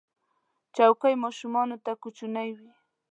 چوکۍ ماشومانو ته کوچنۍ وي.